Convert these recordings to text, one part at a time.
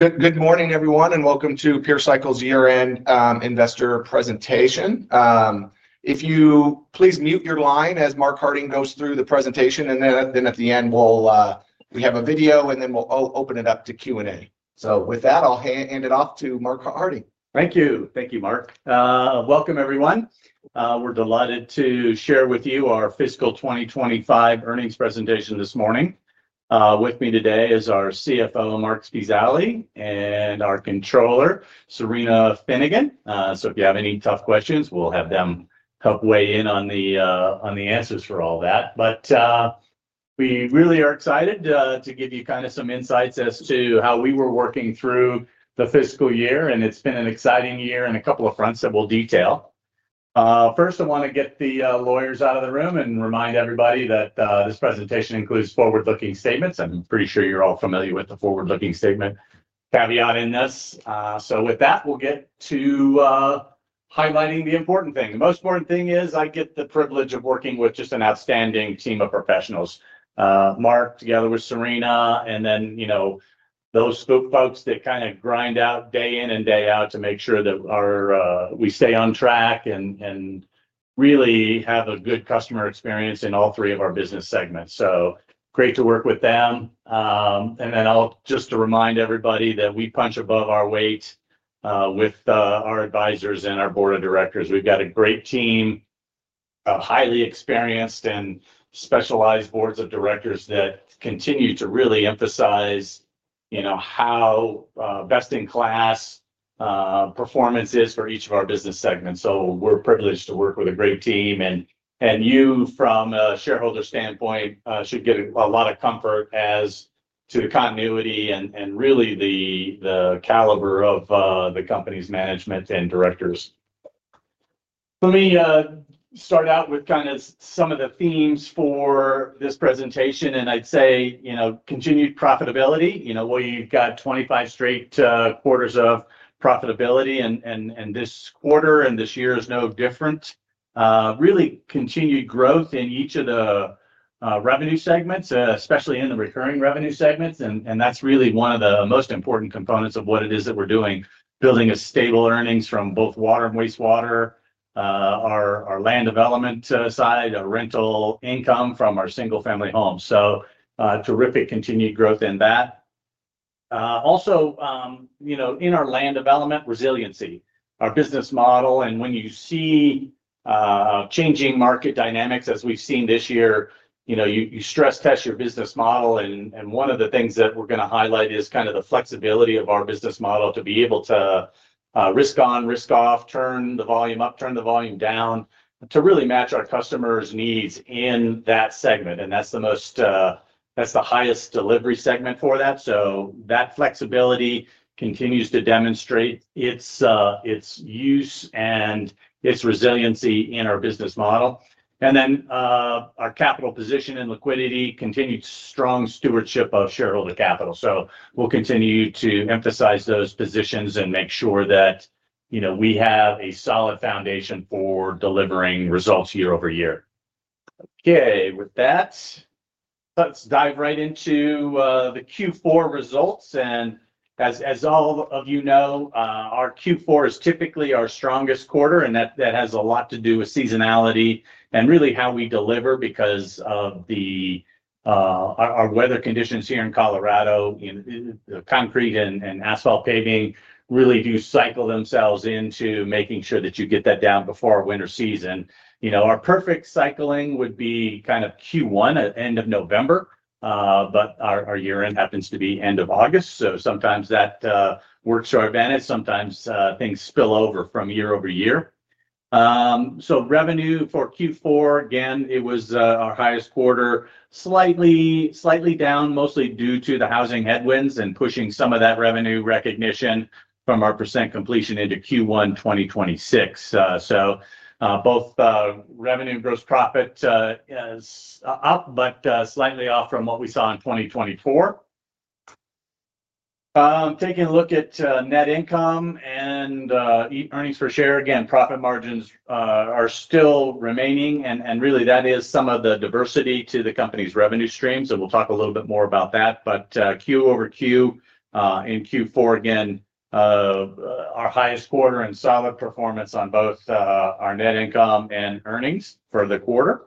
Good morning, everyone, and welcome to Pure Cycle's year-end investor presentation. If you please mute your line as Mark Harding goes through the presentation, and then at the end, we'll have a video, and then we'll open it up to Q&A. With that, I'll hand it off to Mark Harding. Thank you. Thank you, Marc. Welcome, everyone. We're delighted to share with you our fiscal 2025 earnings presentation this morning. With me today is our CFO, Marc Spezialy, and our Controller, Cyrena Finnegan. If you have any tough questions, we'll have them help weigh in on the answers for all that. We really are excited to give you kind of some insights as to how we were working through the fiscal year, and it's been an exciting year on a couple of fronts that we'll detail. First, I want to get the lawyers out of the room and remind everybody that this presentation includes forward-looking statements. I'm pretty sure you're all familiar with the forward-looking statement caveat in this. With that, we'll get to highlighting the important thing. The most important thing is I get the privilege of working with just an outstanding team of professionals, Marc together with Cyrena, and then those folks that kind of grind out day in and day out to make sure that we stay on track and really have a good customer experience in all three of our business segments. Great to work with them. Just to remind everybody that we punch above our weight with our advisors and our board of directors. We've got a great team, highly experienced and specialized boards of directors that continue to really emphasize how best-in-class performance is for each of our business segments. We are privileged to work with a great team, and you, from a shareholder standpoint, should get a lot of comfort as to the continuity and really the caliber of the company's management and directors. Let me start out with kind of some of the themes for this presentation, and I'd say continued profitability. We've got 25 straight quarters of profitability, and this quarter and this year is no different. Really continued growth in each of the revenue segments, especially in the recurring revenue segments, and that's really one of the most important components of what it is that we're doing, building a stable earnings from both water and wastewater, our land development side, our rental income from our single-family homes. Terrific continued growth in that. Also, in our land development, resiliency, our business model, and when you see changing market dynamics as we've seen this year, you stress test your business model, and one of the things that we're going to highlight is kind of the flexibility of our business model to be able to risk on, risk off, turn the volume up, turn the volume down, to really match our customers' needs in that segment. That is the highest delivery segment for that. That flexibility continues to demonstrate its use and its resiliency in our business model. Our capital position and liquidity, continued strong stewardship of shareholder capital. We will continue to emphasize those positions and make sure that we have a solid foundation for delivering results year-over-year. Okay, with that, let's dive right into the Q4 results. As all of you know, our Q4 is typically our strongest quarter, and that has a lot to do with seasonality and really how we deliver because of our weather conditions here in Colorado. The concrete and asphalt paving really do cycle themselves into making sure that you get that down before our winter season. Our perfect cycling would be kind of Q1, end of November, but our year-end happens to be end of August. Sometimes that works to our advantage. Sometimes things spill over from year-over-year. Revenue for Q4, again, it was our highest quarter, slightly down, mostly due to the housing headwinds and pushing some of that revenue recognition from our percent completion into Q1 2026. Both revenue and gross profit is up, but slightly off from what we saw in 2024. Taking a look at net income and earnings per share, again, profit margins are still remaining, and really that is some of the diversity to the company's revenue streams. We'll talk a little bit more about that. Q over Q in Q4, again, our highest quarter and solid performance on both our net income and earnings for the quarter.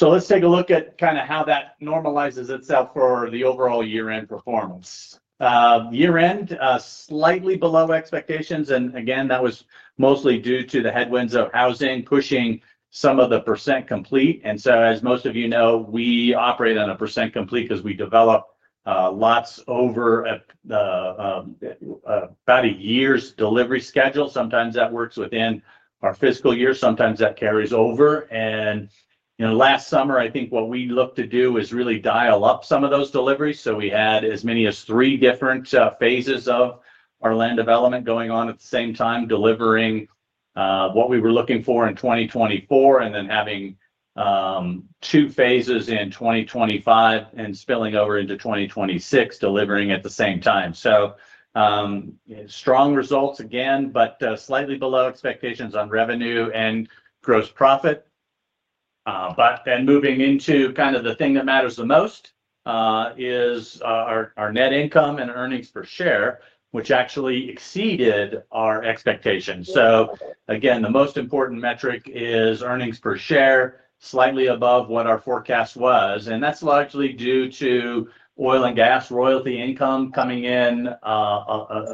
Let's take a look at kind of how that normalizes itself for the overall year-end performance. Year-end, slightly below expectations, and again, that was mostly due to the headwinds of housing pushing some of the percent complete. As most of you know, we operate on a percent complete because we develop lots over about a year's delivery schedule. Sometimes that works within our fiscal year. Sometimes that carries over. Last summer, I think what we looked to do is really dial up some of those deliveries. We had as many as three different phases of our land development going on at the same time, delivering what we were looking for in 2024, and then having two phases in 2025 and spilling over into 2026, delivering at the same time. Strong results again, but slightly below expectations on revenue and gross profit. Moving into kind of the thing that matters the most is our net income and earnings per share, which actually exceeded our expectations. The most important metric is earnings per share, slightly above what our forecast was. That is largely due to oil and gas royalty income coming in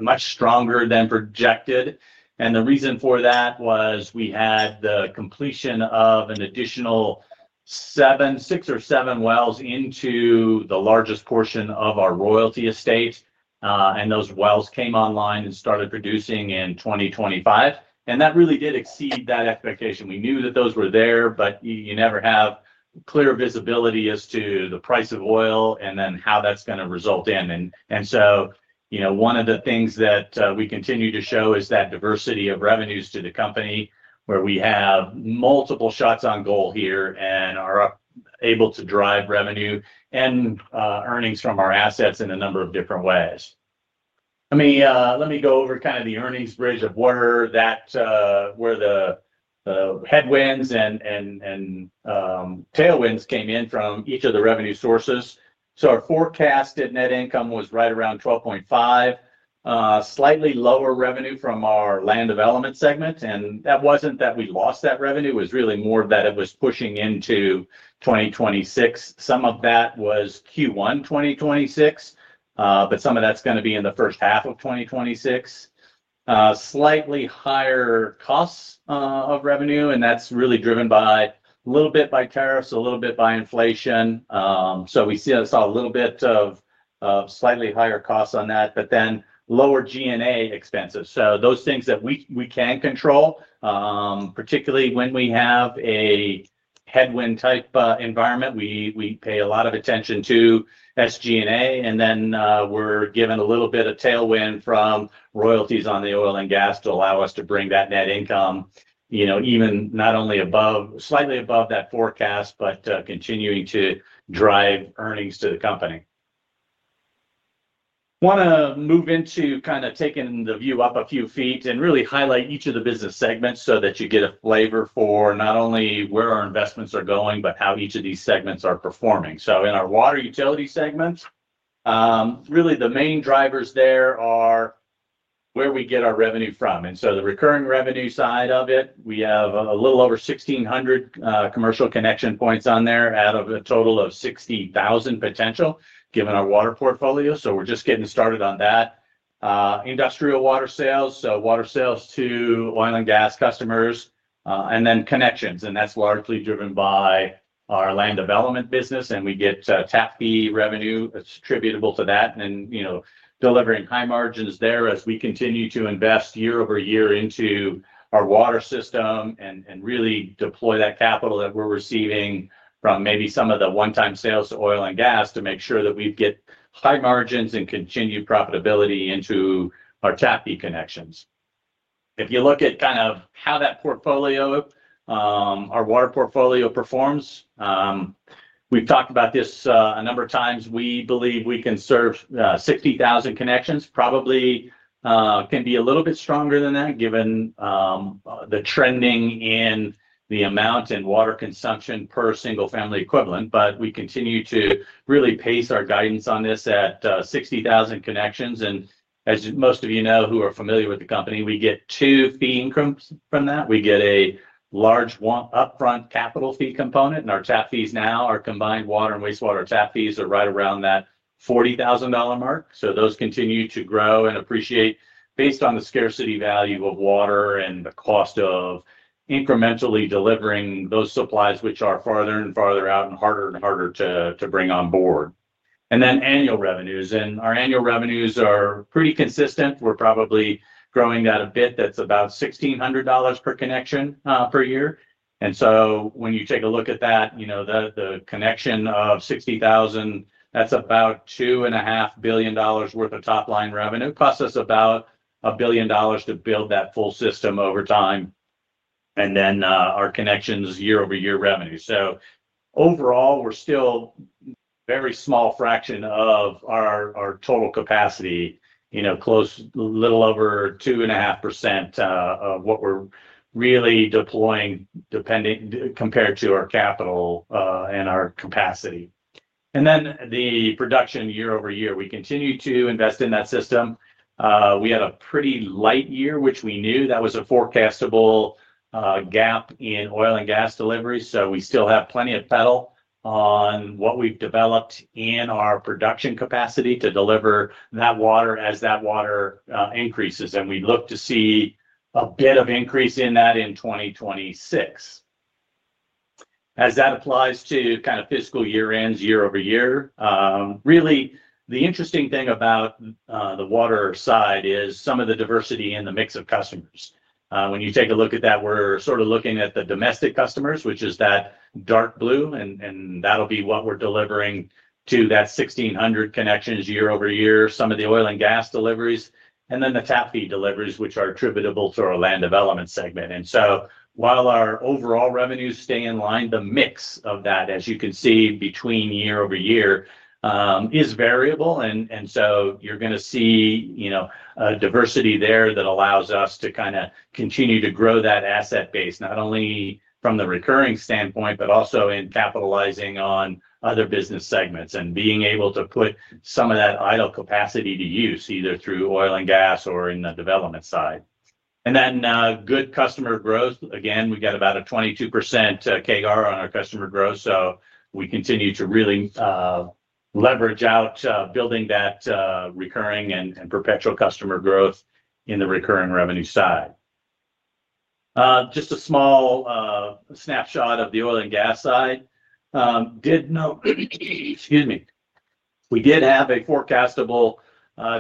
much stronger than projected. The reason for that was we had the completion of an additional six or seven wells into the largest portion of our royalty estate, and those wells came online and started producing in 2025. That really did exceed that expectation. We knew that those were there, but you never have clear visibility as to the price of oil and then how that's going to result in. One of the things that we continue to show is that diversity of revenues to the company, where we have multiple shots on goal here and are able to drive revenue and earnings from our assets in a number of different ways. Let me go over kind of the earnings bridge of where the headwinds and tailwinds came in from each of the revenue sources. Our forecasted net income was right around $12.5 million, slightly lower revenue from our land development segment. That was not that we lost that revenue. It was really more that it was pushing into 2026. Some of that was Q1 2026, but some of that is going to be in the first half of 2026. Slightly higher costs of revenue, and that is really driven a little bit by tariffs, a little bit by inflation. We saw a little bit of slightly higher costs on that, but then lower G&A expenses. Those things that we can control, particularly when we have a headwind type environment, we pay a lot of attention to SG&A. We're given a little bit of tailwind from royalties on the oil and gas to allow us to bring that net income even not only slightly above that forecast, but continuing to drive earnings to the company. I want to move into kind of taking the view up a few feet and really highlight each of the business segments so that you get a flavor for not only where our investments are going, but how each of these segments are performing. In our water utility segments, really the main drivers there are where we get our revenue from. The recurring revenue side of it, we have a little over 1,600 commercial connection points on there out of a total of 60,000 potential, given our water portfolio. We're just getting started on that. Industrial water sales, so water sales to oil and gas customers, and then connections. That is largely driven by our land development business, and we get tap fee revenue attributable to that and delivering high margins there as we continue to invest year-over-year into our water system and really deploy that capital that we are receiving from maybe some of the one-time sales to oil and gas to make sure that we get high margins and continued profitability into our tap fee connections. If you look at kind of how that portfolio, our water portfolio, performs, we have talked about this a number of times. We believe we can serve 60,000 connections. Probably can be a little bit stronger than that, given the trending in the amount and water consumption per single-family equivalent. We continue to really pace our guidance on this at 60,000 connections. As most of you know who are familiar with the company, we get two fee increments from that. We get a large upfront capital fee component, and our tap fees now, our combined water and wastewater tap fees are right around that $40,000 mark. Those continue to grow and appreciate based on the scarcity value of water and the cost of incrementally delivering those supplies, which are farther and farther out and harder and harder to bring on board. Annual revenues are pretty consistent. We're probably growing that a bit. That's about $1,600 per connection per year. When you take a look at that, the connection of 60,000, that's about $2.5 billion worth of top-line revenue. It costs us about $1 billion to build that full system over time. Our connections year-over-year revenue. Overall, we're still a very small fraction of our total capacity, close, a little over 2.5% of what we're really deploying compared to our capital and our capacity. The production year-over-year, we continue to invest in that system. We had a pretty light year, which we knew. That was a forecastable gap in oil and gas delivery. We still have plenty of pedal on what we've developed in our production capacity to deliver that water as that water increases. We look to see a bit of increase in that in 2026. As that applies to kind of fiscal year-ends, year-over-year, really the interesting thing about the water side is some of the diversity in the mix of customers. When you take a look at that, we're sort of looking at the domestic customers, which is that dark blue, and that'll be what we're delivering to that 1,600 connections year-over-year, some of the oil and gas deliveries, and then the tap fee deliveries, which are attributable to our land development segment. While our overall revenues stay in line, the mix of that, as you can see between year-over-year, is variable. You are going to see a diversity there that allows us to kind of continue to grow that asset base, not only from the recurring standpoint, but also in capitalizing on other business segments and being able to put some of that idle capacity to use either through oil and gas or in the development side. Good customer growth. Again, we got about a 22% KR on our customer growth. We continue to really leverage out building that recurring and perpetual customer growth in the recurring revenue side. Just a small snapshot of the oil and gas side. Excuse me. We did have a forecastable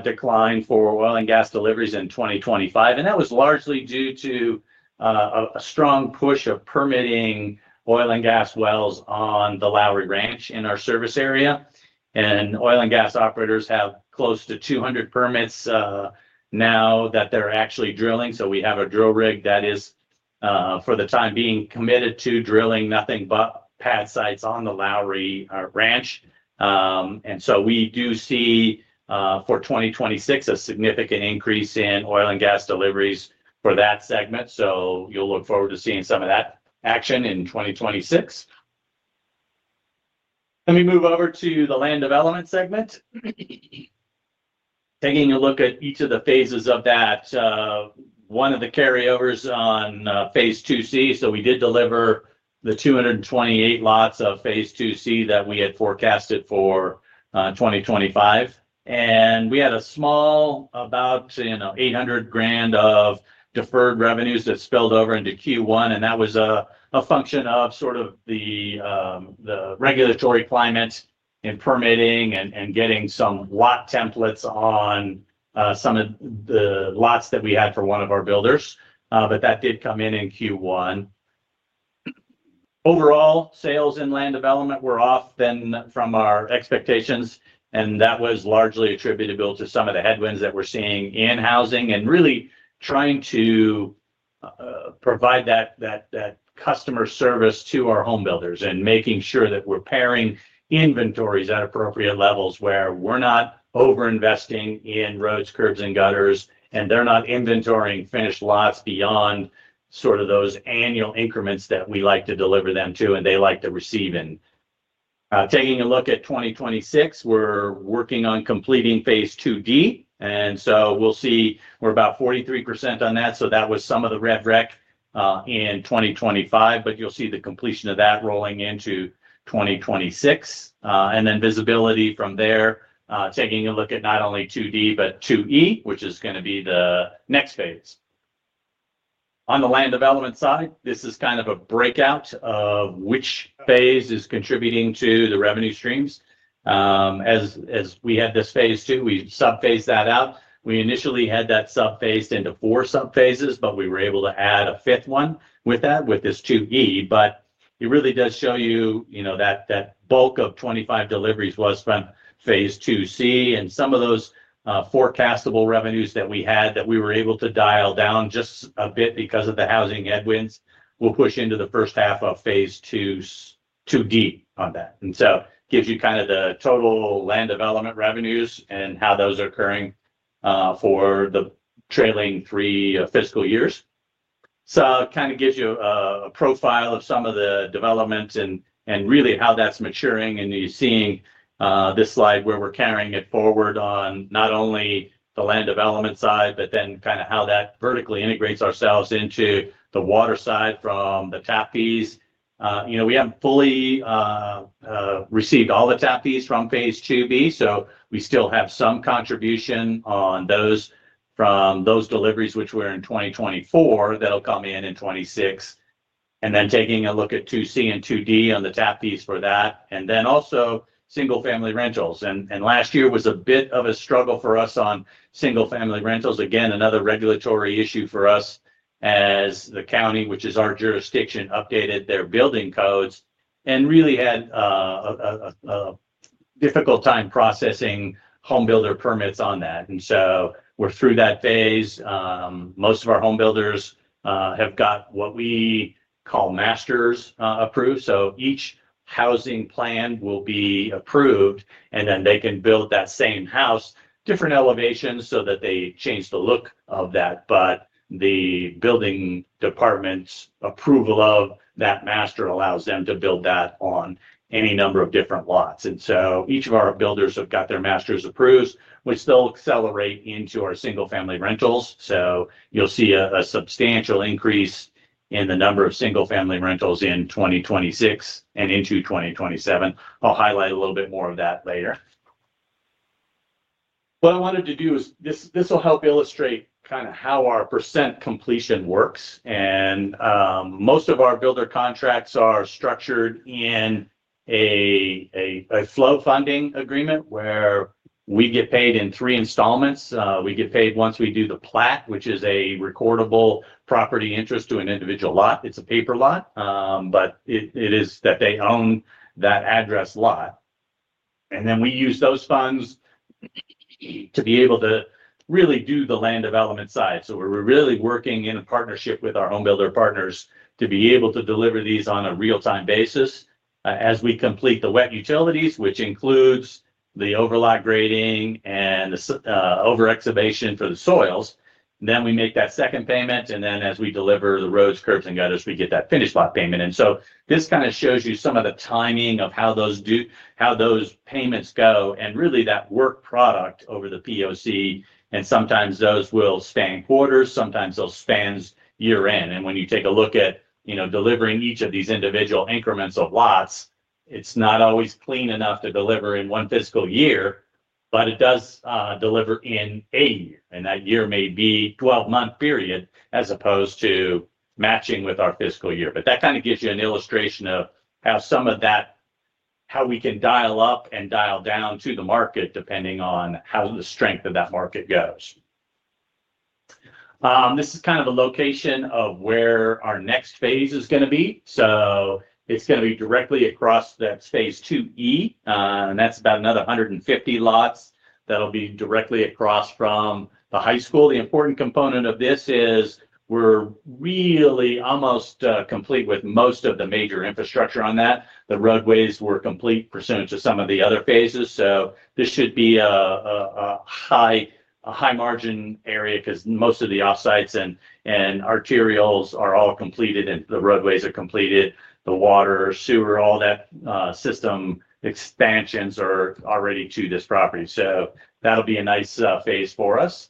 decline for oil and gas deliveries in 2025, and that was largely due to a strong push of permitting oil and gas wells on the Lowry Ranch in our service area. Oil and gas operators have close to 200 permits now that they're actually drilling. We have a drill rig that is, for the time being, committed to drilling nothing but pad sites on the Lowry Ranch. We do see for 2026 a significant increase in oil and gas deliveries for that segment. You will look forward to seeing some of that action in 2026. Let me move over to the land development segment. Taking a look at each of the phases of that, one of the carryovers on phase II-C. We did deliver the 228 lots of phase II-C that we had forecasted for 2025. We had a small, about $800,000 of deferred revenues that spilled over into Q1. That was a function of sort of the regulatory climate and permitting and getting some lot templates on some of the lots that we had for one of our builders. That did come in in Q1. Overall, sales in land development were off then from our expectations, and that was largely attributable to some of the headwinds that we're seeing in housing and really trying to provide that customer service to our home builders and making sure that we're pairing inventories at appropriate levels where we're not overinvesting in roads, curbs, and gutters, and they're not inventorying finished lots beyond sort of those annual increments that we like to deliver them to and they like to receive in. Taking a look at 2026, we're working on completing phase II-D. We see we're about 43% on that. That was some of the red rec in 2025, but you'll see the completion of that rolling into 2026. Visibility from there, taking a look at not only phase II-D, but phase II-E, which is going to be the next phase. On the land development side, this is kind of a breakout of which phase is contributing to the revenue streams. As we had this phase II, we subphased that out. We initially had that subphased into four subphases, but we were able to add a fifth one with that, with this phase II-E. It really does show you that bulk of 25 deliveries was from phase II-C. Some of those forecastable revenues that we had that we were able to dial down just a bit because of the housing headwinds will push into the first half of phase II-D on that. It gives you kind of the total land development revenues and how those are occurring for the trailing three fiscal years. It kind of gives you a profile of some of the developments and really how that's maturing. You are seeing this slide where we are carrying it forward on not only the land development side, but then kind of how that vertically integrates ourselves into the water side from the tap fees. We have not fully received all the tap fees from phase II-B, so we still have some contribution on those deliveries, which were in 2024, that will come in in 2026. Taking a look at phase II-C and phase II-D on the tap fees for that, and then also single-family rentals. Last year was a bit of a struggle for us on single-family rentals. Again, another regulatory issue for us as the county, which is our jurisdiction, updated their building codes and really had a difficult time processing home builder permits on that. We are through that phase. Most of our home builders have got what we call masters approved. Each housing plan will be approved, and then they can build that same house, different elevations so that they change the look of that. The building department's approval of that master allows them to build that on any number of different lots. Each of our builders have got their masters approved. We still accelerate into our single-family rentals. You will see a substantial increase in the number of single-family rentals in 2026 and into 2027. I will highlight a little bit more of that later. What I wanted to do is this will help illustrate kind of how our percent completion works. Most of our builder contracts are structured in a flow funding agreement where we get paid in three installments. We get paid once we do the plat, which is a recordable property interest to an individual lot. It's a paper lot, but it is that they own that address lot. We use those funds to be able to really do the land development side. We're really working in partnership with our home builder partners to be able to deliver these on a real-time basis. As we complete the wet utilities, which includes the overlap grading and the over-excavation for the soils, we make that second payment. As we deliver the roads, curbs, and gutters, we get that finished lot payment. This kind of shows you some of the timing of how those payments go and really that work product over the POC. Sometimes those will span quarters. Sometimes they'll span year-end. When you take a look at delivering each of these individual increments of lots, it's not always clean enough to deliver in one fiscal year, but it does deliver in a year. That year may be a 12-month period as opposed to matching with our fiscal year. That kind of gives you an illustration of how we can dial up and dial down to the market depending on how the strength of that market goes. This is kind of a location of where our next phase is going to be. It's going to be directly across that phase II-E. That's about another 150 lots that'll be directly across from the high school. The important component of this is we're really almost complete with most of the major infrastructure on that. The roadways were complete pursuant to some of the other phases. This should be a high-margin area because most of the offsites and arterials are all completed and the roadways are completed. The water, sewer, all that system expansions are already to this property. That will be a nice phase for us.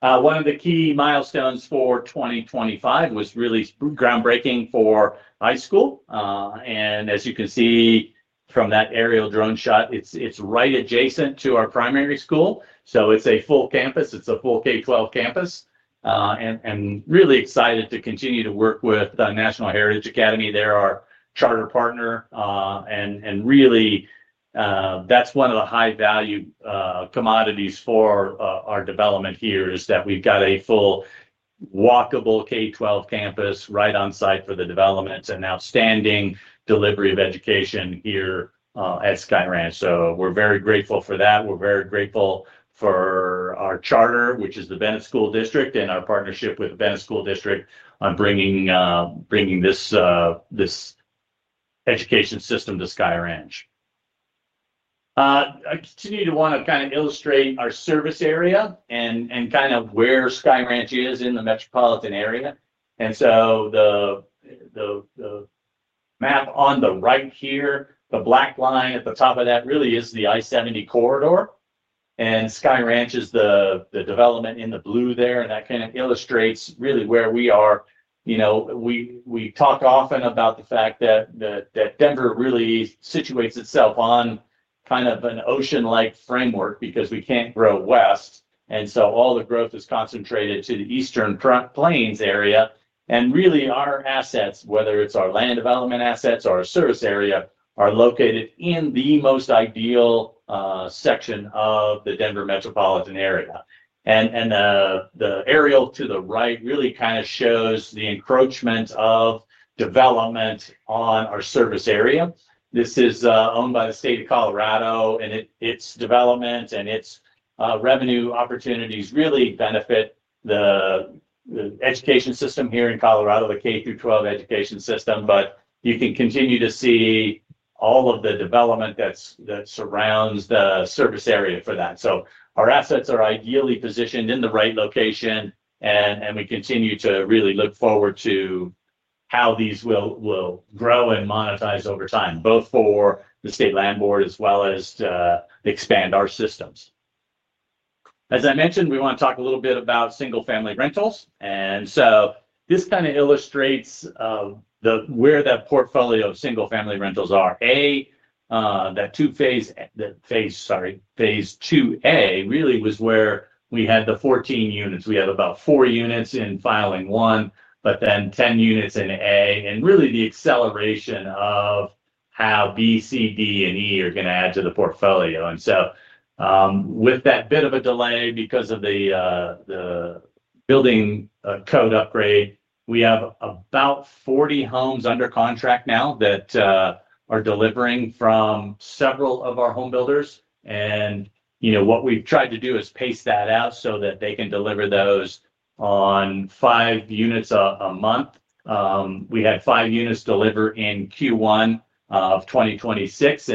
One of the key milestones for 2025 was really groundbreaking for high school. As you can see from that aerial drone shot, it is right adjacent to our primary school. It is a full campus. It is a full K-12 campus. Really excited to continue to work with the National Heritage Academy. They are our charter partner. Really, that is one of the high-value commodities for our development here is that we have got a full walkable K-12 campus right on site for the development and outstanding delivery of education here at Sky Ranch. We are very grateful for that. We're very grateful for our charter, which is the Bennett School District and our partnership with the Bennett School District on bringing this education system to Sky Ranch. I continue to want to kind of illustrate our service area and kind of where Sky Ranch is in the metropolitan area. The map on the right here, the black line at the top of that really is the I-70 corridor. Sky Ranch is the development in the blue there. That kind of illustrates really where we are. We talk often about the fact that Denver really situates itself on kind of an ocean-like framework because we can't grow west. All the growth is concentrated to the Eastern Plains area. Really, our assets, whether it's our land development assets or our service area, are located in the most ideal section of the Denver metropolitan area. The aerial to the right really kind of shows the encroachment of development on our service area. This is owned by the state of Colorado, and its development and its revenue opportunities really benefit the education system here in Colorado, the K-12 education system. You can continue to see all of the development that surrounds the service area for that. Our assets are ideally positioned in the right location, and we continue to really look forward to how these will grow and monetize over time, both for the state land board as well as to expand our systems. As I mentioned, we want to talk a little bit about single-family rentals. This kind of illustrates where that portfolio of single-family rentals are. That phase II-A really was where we had the 14 units. We have about four units in filing one, but then 10 units in A, and really the acceleration of how B, C, D, and E are going to add to the portfolio. With that bit of a delay because of the building code upgrade, we have about 40 homes under contract now that are delivering from several of our home builders. What we've tried to do is pace that out so that they can deliver those on five units a month. We had five units deliver in Q1 of 2026.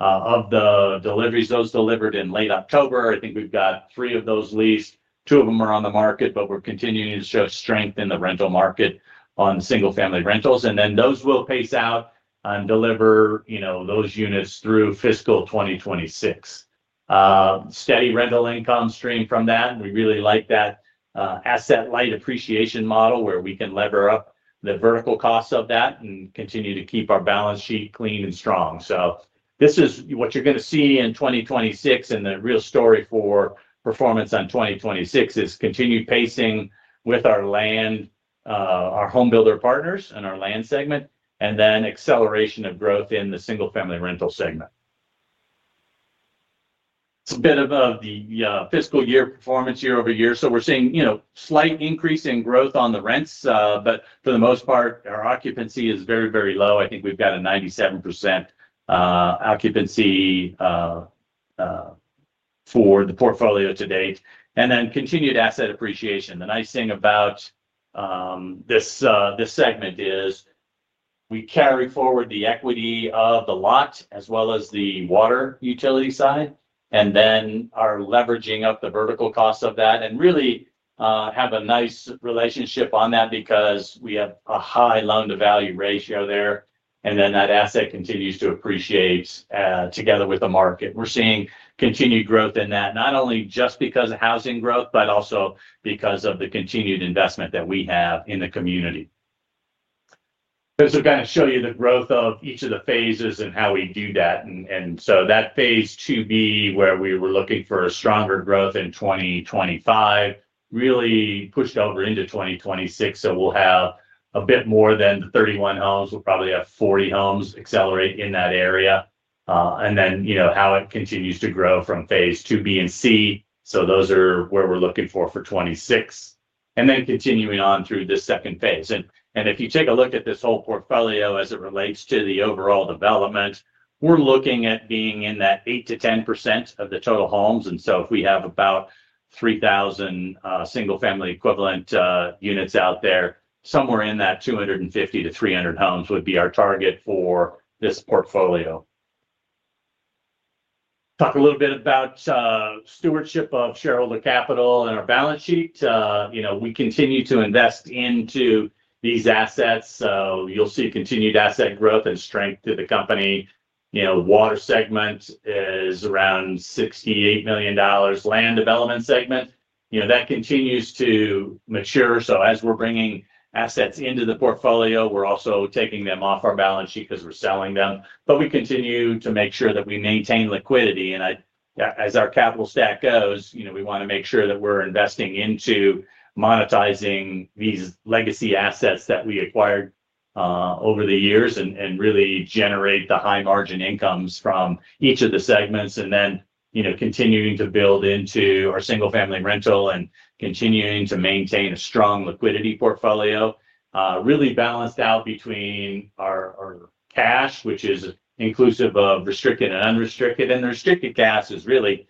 Of the deliveries, those delivered in late October. I think we've got three of those leased. Two of them are on the market, but we're continuing to show strength in the rental market on single-family rentals. Those will pace out and deliver those units through fiscal 2026. Steady rental income stream from that. We really like that asset light appreciation model where we can lever up the vertical costs of that and continue to keep our balance sheet clean and strong. This is what you're going to see in 2026. The real story for performance on 2026 is continued pacing with our home builder partners and our land segment, and then acceleration of growth in the single-family rental segment. It is a bit of the fiscal year performance year-over-year. We are seeing slight increase in growth on the rents, but for the most part, our occupancy is very, very low. I think we've got a 97% occupancy for the portfolio to date. Continued asset appreciation. The nice thing about this segment is we carry forward the equity of the lot as well as the water utility side, and then are leveraging up the vertical cost of that and really have a nice relationship on that because we have a high loan-to-value ratio there. That asset continues to appreciate together with the market. We're seeing continued growth in that, not only just because of housing growth, but also because of the continued investment that we have in the community. To kind of show you the growth of each of the phases and how we do that. That phase II-B, where we were looking for a stronger growth in 2025, really pushed over into 2026. We'll have a bit more than the 31 homes. We'll probably have 40 homes accelerate in that area. Then how it continues to grow from phase II-B and phase C. Those are where we're looking for for 2026. Continuing on through the second phase. If you take a look at this whole portfolio as it relates to the overall development, we're looking at being in that 8%-10% of the total homes. If we have about 3,000 single-family equivalent units out there, somewhere in that 250-300 homes would be our target for this portfolio. Talk a little bit about stewardship of shareholder capital and our balance sheet. We continue to invest into these assets. You'll see continued asset growth and strength to the company. Water segment is around $68 million. Land development segment, that continues to mature. As we're bringing assets into the portfolio, we're also taking them off our balance sheet because we're selling them. We continue to make sure that we maintain liquidity. As our capital stack goes, we want to make sure that we're investing into monetizing these legacy assets that we acquired over the years and really generate the high-margin incomes from each of the segments. Then continuing to build into our single-family rental and continuing to maintain a strong liquidity portfolio, really balanced out between our cash, which is inclusive of restricted and unrestricted. The restricted cash is really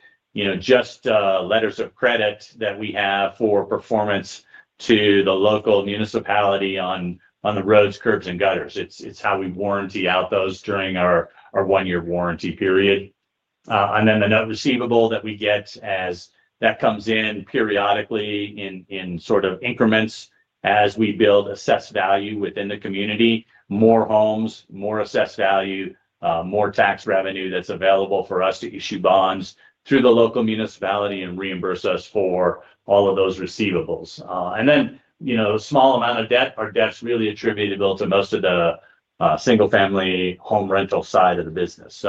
just letters of credit that we have for performance to the local municipality on the roads, curbs, and gutters. It's how we warranty out those during our one-year warranty period. The net receivable that we get as that comes in periodically in sort of increments as we build assessed value within the community, more homes, more assessed value, more tax revenue that's available for us to issue bonds through the local municipality and reimburse us for all of those receivables. A small amount of debt, our debt's really attributable to most of the single-family home rental side of the business.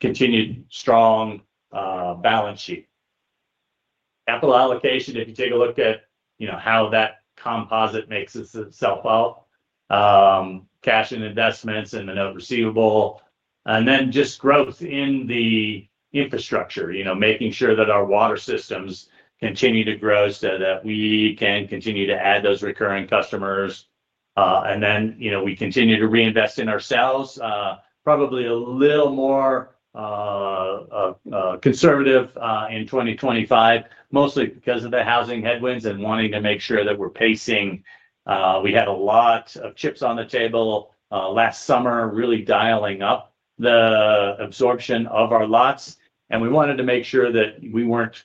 Continued strong balance sheet. Capital allocation, if you take a look at how that composite makes itself up, cash and investments and the net receivable, and then just growth in the infrastructure, making sure that our water systems continue to grow so that we can continue to add those recurring customers. We continue to reinvest in ourselves, probably a little more conservative in 2025, mostly because of the housing headwinds and wanting to make sure that we're pacing. We had a lot of chips on the table last summer, really dialing up the absorption of our lots. We wanted to make sure that we weren't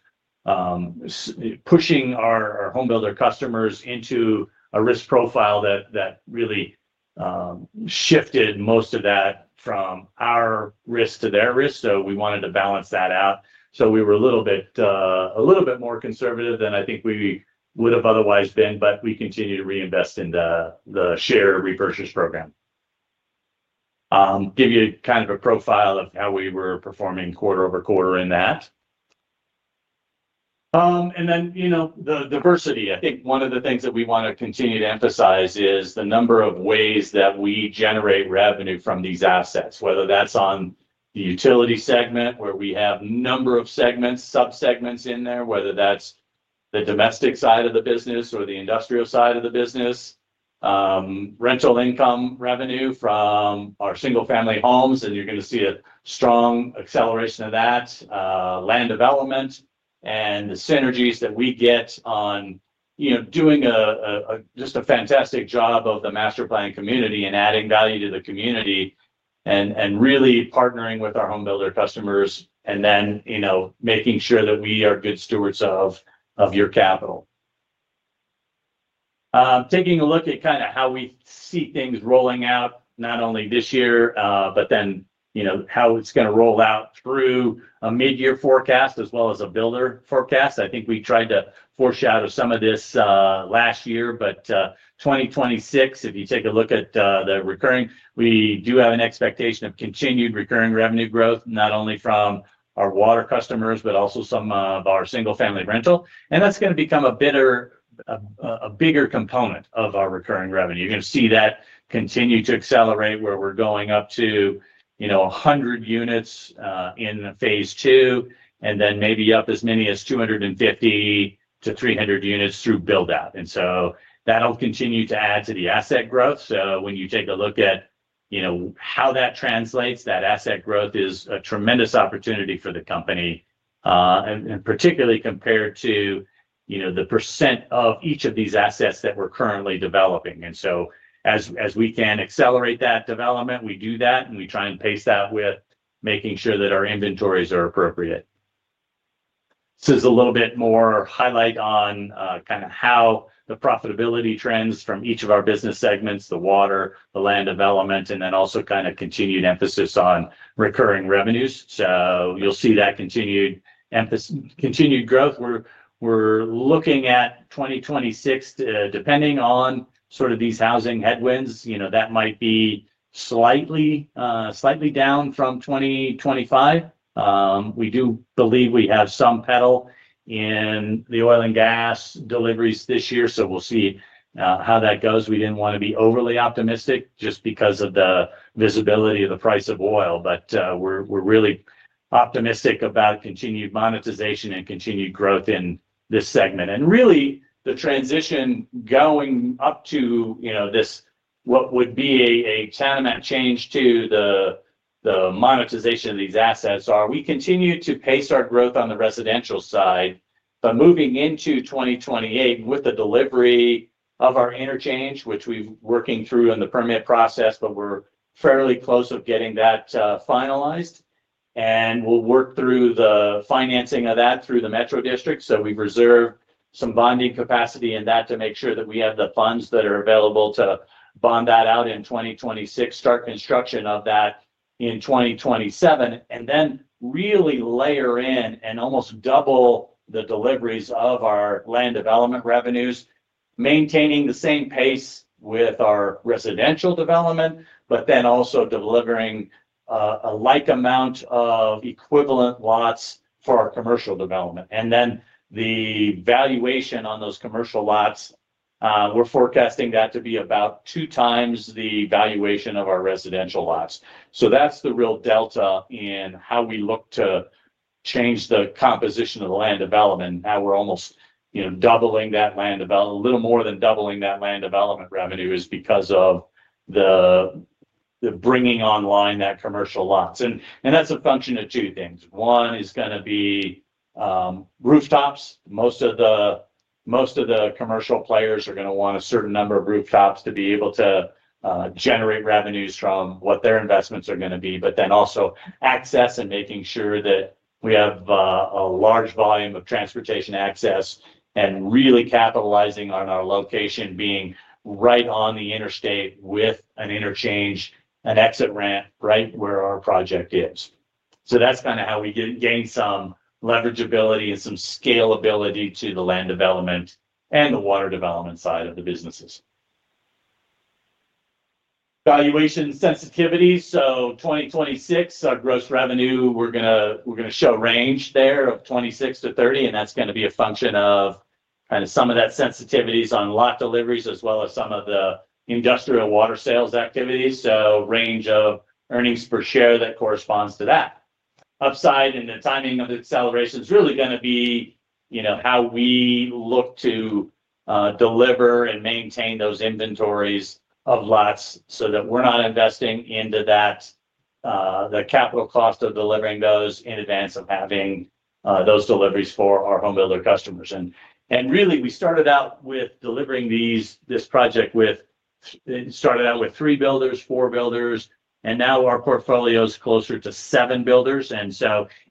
pushing our home builder customers into a risk profile that really shifted most of that from our risk to their risk. We wanted to balance that out. We were a little bit more conservative than I think we would have otherwise been, but we continue to reinvest in the share repurchase program. Give you kind of a profile of how we were performing quarter-over-quarter in that. Diversity, I think one of the things that we want to continue to emphasize is the number of ways that we generate revenue from these assets, whether that's on the utility segment where we have a number of segments, subsegments in there, whether that's the domestic side of the business or the industrial side of the business, rental income revenue from our single-family homes, and you're going to see a strong acceleration of that, land development, and the synergies that we get on doing just a fantastic job of the master plan community and adding value to the community and really partnering with our home builder customers and then making sure that we are good stewards of your capital. Taking a look at kind of how we see things rolling out, not only this year, but then how it's going to roll out through a mid-year forecast as well as a builder forecast. I think we tried to foreshadow some of this last year, but 2026, if you take a look at the recurring, we do have an expectation of continued recurring revenue growth, not only from our water customers, but also some of our single-family rental. That's going to become a bigger component of our recurring revenue. You're going to see that continue to accelerate where we're going up to 100 units in phase two and then maybe up as many as 250-300 units through build-out. That'll continue to add to the asset growth. When you take a look at how that translates, that asset growth is a tremendous opportunity for the company, particularly compared to the % of each of these assets that we're currently developing. As we can accelerate that development, we do that, and we try and pace that with making sure that our inventories are appropriate. This is a little bit more highlight on kind of how the profitability trends from each of our business segments, the water, the land development, and then also kind of continued emphasis on recurring revenues. You'll see that continued growth. We're looking at 2026, depending on sort of these housing headwinds, that might be slightly down from 2025. We do believe we have some pedal in the oil and gas deliveries this year, so we'll see how that goes. We did not want to be overly optimistic just because of the visibility of the price of oil, but we are really optimistic about continued monetization and continued growth in this segment. Really, the transition going up to this, what would be a tantamount change to the monetization of these assets is, we continue to pace our growth on the residential side, but moving into 2028 with the delivery of our interchange, which we are working through in the permit process, we are fairly close to getting that finalized. We will work through the financing of that through the metro district. We've reserved some bonding capacity in that to make sure that we have the funds that are available to bond that out in 2026, start construction of that in 2027, and then really layer in and almost double the deliveries of our land development revenues, maintaining the same pace with our residential development, but then also delivering a like amount of equivalent lots for our commercial development. The valuation on those commercial lots, we're forecasting that to be about two times the valuation of our residential lots. That's the real delta in how we look to change the composition of the land development. Now we're almost doubling that land development, a little more than doubling that land development revenue is because of the bringing online that commercial lots. That's a function of two things. One is going to be rooftops. Most of the commercial players are going to want a certain number of rooftops to be able to generate revenues from what their investments are going to be, but then also access and making sure that we have a large volume of transportation access and really capitalizing on our location being right on the interstate with an interchange, an exit ramp right where our project is. That is kind of how we gain some leverageability and some scalability to the land development and the water development side of the businesses. Valuation sensitivity. For 2026, our gross revenue, we are going to show range there of $26 million-$30 million, and that is going to be a function of kind of some of that sensitivities on lot deliveries as well as some of the industrial water sales activities. Range of earnings per share that corresponds to that. Upside and the timing of the acceleration is really going to be how we look to deliver and maintain those inventories of lots so that we're not investing into the capital cost of delivering those in advance of having those deliveries for our home builder customers. We started out with delivering this project with three builders, four builders, and now our portfolio is closer to seven builders.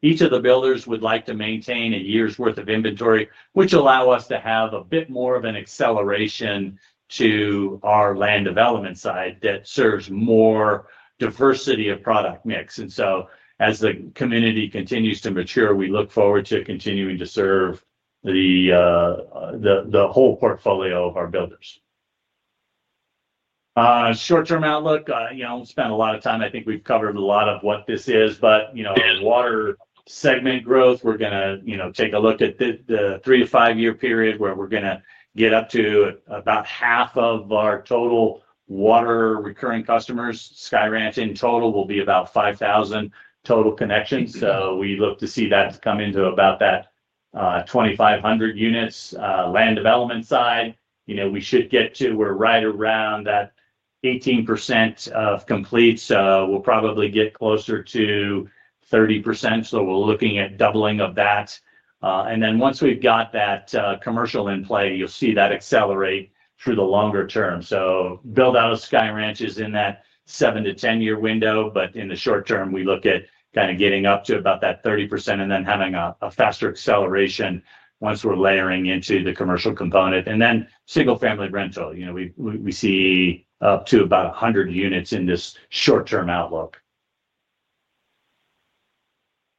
Each of the builders would like to maintain a year's worth of inventory, which allows us to have a bit more of an acceleration to our land development side that serves more diversity of product mix. As the community continues to mature, we look forward to continuing to serve the whole portfolio of our builders. Short-term outlook, we'll spend a lot of time. I think we've covered a lot of what this is, but our water segment growth, we're going to take a look at the three-year to five-year period where we're going to get up to about half of our total water recurring customers. Sky Ranch in total will be about 5,000 total connections. So we look to see that come into about that 2,500 units land development side. We should get to we're right around that 18% of complete. So we'll probably get closer to 30%. We're looking at doubling of that. Once we've got that commercial in play, you'll see that accelerate through the longer term. Build-out of Sky Ranch is in that 7- to 10-year window, but in the short term, we look at kind of getting up to about that 30% and then having a faster acceleration once we're layering into the commercial component. Single-family rental, we see up to about 100 units in this short-term outlook.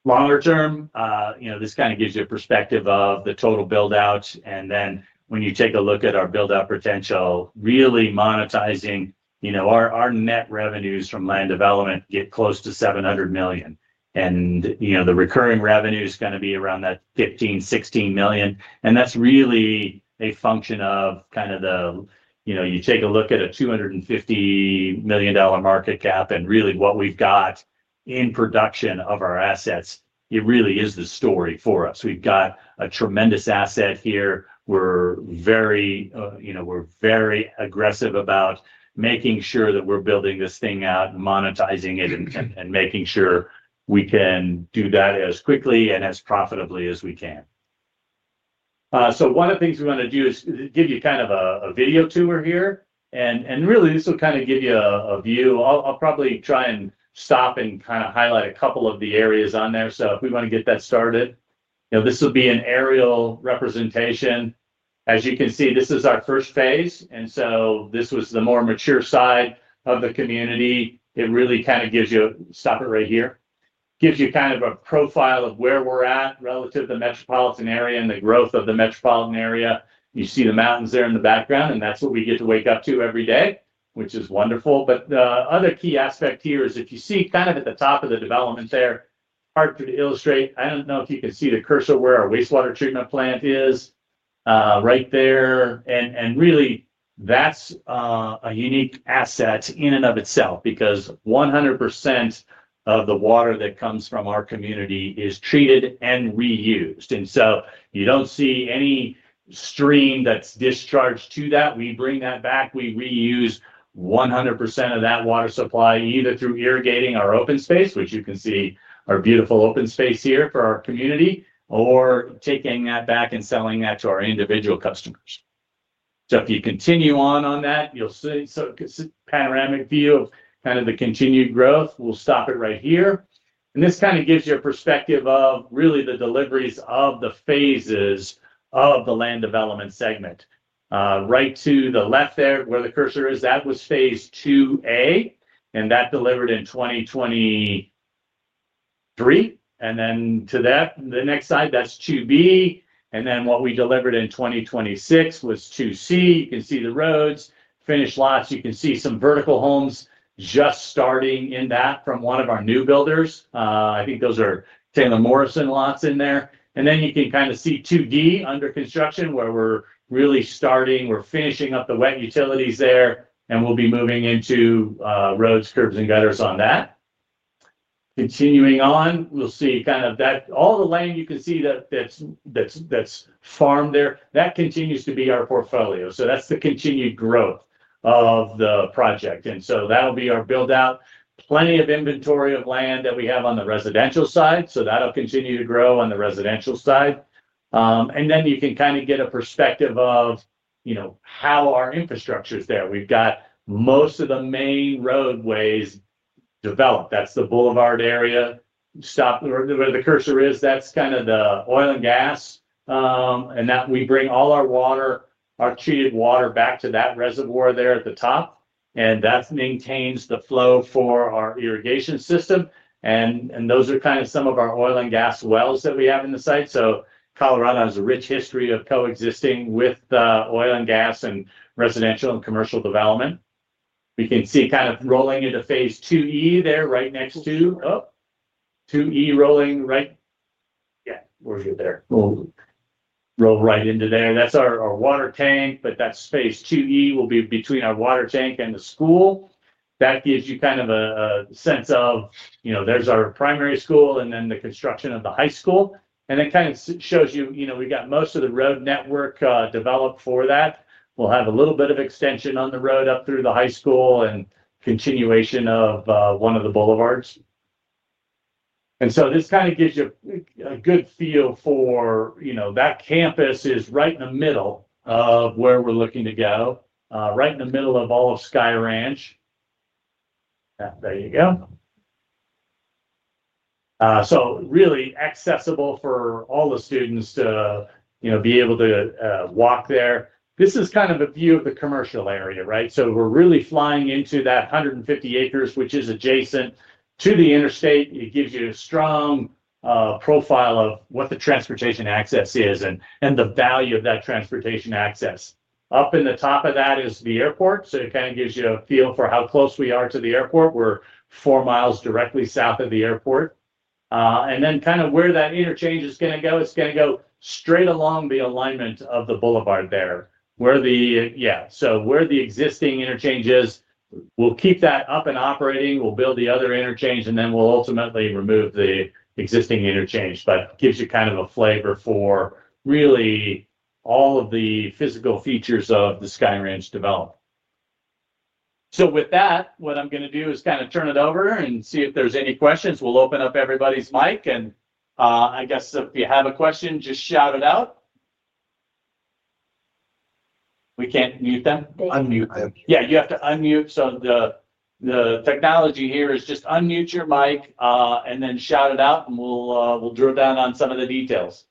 Longer term, this kind of gives you a perspective of the total build-out. When you take a look at our build-out potential, really monetizing our net revenues from land development get close to $700 million. The recurring revenue is going to be around that $15 million-$16 million. That is really a function of kind of the, you take a look at a $250 million market cap and really what we have got in production of our assets, it really is the story for us. We have got a tremendous asset here. We are very aggressive about making sure that we are building this thing out, monetizing it, and making sure we can do that as quickly and as profitably as we can. One of the things we want to do is give you kind of a video tour here. Really, this will kind of give you a view. I'll probably try and stop and kind of highlight a couple of the areas on there. If we want to get that started, this will be an aerial representation. As you can see, this is our first phase. This was the more mature side of the community. It really kind of gives you a stop it right here. Gives you kind of a profile of where we're at relative to the metropolitan area and the growth of the metropolitan area. You see the mountains there in the background, and that's what we get to wake up to every day, which is wonderful. The other key aspect here is if you see kind of at the top of the development there, hard to illustrate. I do not know if you can see the cursor where our wastewater treatment plant is right there. Really, that is a unique asset in and of itself because 100% of the water that comes from our community is treated and reused. You do not see any stream that is discharged to that. We bring that back. We reuse 100% of that water supply either through irrigating our open space, which you can see our beautiful open space here for our community, or taking that back and selling that to our individual customers. If you continue on on that, you will see a panoramic view of kind of the continued growth. We will stop it right here. This kind of gives you a perspective of really the deliveries of the phases of the land development segment. Right to the left there where the cursor is, that was phase II-A, and that delivered in 2023. To the next side, that's phase II-B. What we delivered in 2026 was phase II-C. You can see the roads, finished lots. You can see some vertical homes just starting in that from one of our new builders. I think those are Taylor Morrison lots in there. You can kind of see phase II-D under construction where we're really starting. We're finishing up the wet utilities there, and we'll be moving into roads, curbs, and gutters on that. Continuing on, we'll see kind of that all the land you can see that's farmed there, that continues to be our portfolio. That's the continued growth of the project. That'll be our build-out, plenty of inventory of land that we have on the residential side. That'll continue to grow on the residential side. You can kind of get a perspective of how our infrastructure is there. We've got most of the main roadways developed. That's the boulevard area. Where the cursor is, that's kind of the oil and gas. We bring all our water, our treated water back to that reservoir there at the top. That maintains the flow for our irrigation system. Those are kind of some of our oil and gas wells that we have in the site. Colorado has a rich history of coexisting with oil and gas and residential and commercial development. We can see kind of rolling into phase II-E there right next to phase II-E rolling right. Yeah, we'll get there. We'll roll right into there. That's our water tank, but phase II-E will be between our water tank and the school. That gives you kind of a sense of there's our primary school and then the construction of the high school. That kind of shows you we've got most of the road network developed for that. We'll have a little bit of extension on the road up through the high school and continuation of one of the boulevards. This kind of gives you a good feel for that campus is right in the middle of where we're looking to go, right in the middle of all of Sky Ranch. There you go. Really accessible for all the students to be able to walk there. This is kind of a view of the commercial area, right? We're really flying into that 150 acres, which is adjacent to the interstate. It gives you a strong profile of what the transportation access is and the value of that transportation access. Up in the top of that is the airport. It kind of gives you a feel for how close we are to the airport. We're four miles directly south of the airport. Kind of where that interchange is going to go, it's going to go straight along the alignment of the boulevard there. Yeah. Where the existing interchange is, we'll keep that up and operating. We'll build the other interchange, and then we'll ultimately remove the existing interchange. It gives you kind of a flavor for really all of the physical features of the Sky Ranch development. With that, what I'm going to do is kind of turn it over and see if there's any questions. We'll open up everybody's mic. I guess if you have a question, just shout it out. We can't mute them? Unmute them. Yeah, you have to unmute. The technology here is just unmute your mic and then shout it out, and we'll drill down on some of the details.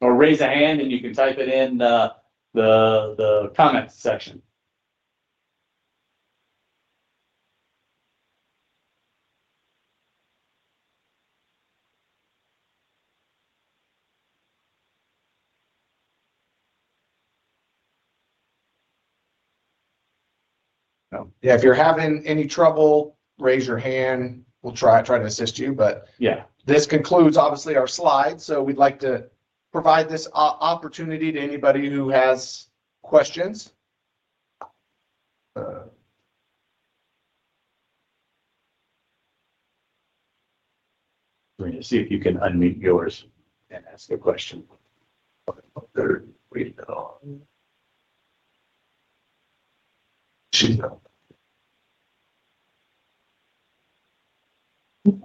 Or raise a hand, and you can type it in the comments section. If you're having any trouble, raise your hand. We'll try to assist you. This concludes, obviously, our slides. We'd like to provide this opportunity to anybody who has questions. Let me see if you can unmute yours and ask a question. Does Bill Miller have a question? He's got his hand up. Bill, I see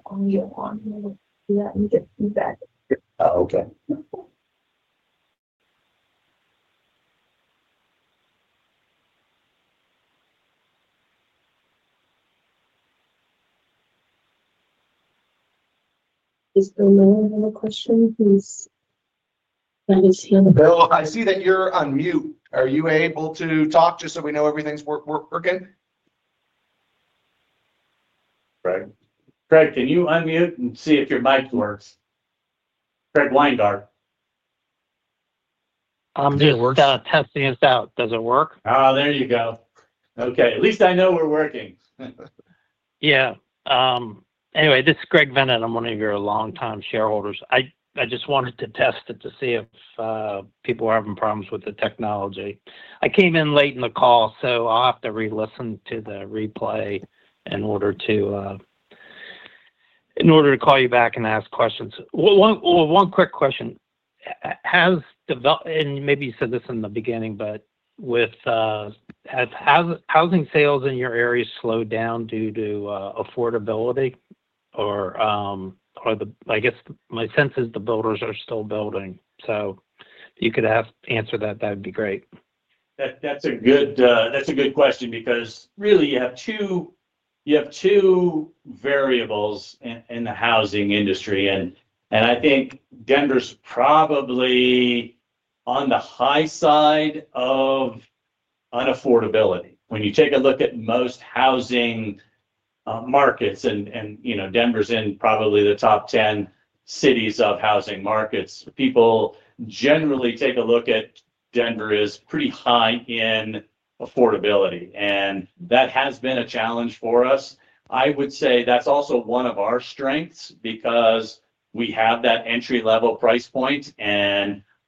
that you're on mute. Are you able to talk just so we know everything's working? Craig, can you unmute and see if your mic works? Craig Weingart. I'm here. It's kind of testing us out. Does it work? Oh, there you go. Okay. At least I know we're working. Yeah. Anyway, this is Craig Vennett. I'm one of your long-time shareholders. I just wanted to test it to see if people are having problems with the technology. I came in late in the call, so I'll have to re-listen to the replay in order to call you back and ask questions. One quick question. And maybe you said this in the beginning, but has housing sales in your area slowed down due to affordability? Or I guess my sense is the builders are still building. If you could answer that, that would be great. That's a good question because really, you have two variables in the housing industry. I think Denver's probably on the high side of unaffordability. When you take a look at most housing markets, and Denver's in probably the top 10 cities of housing markets, people generally take a look at Denver as pretty high in affordability. That has been a challenge for us. I would say that's also one of our strengths because we have that entry-level price point.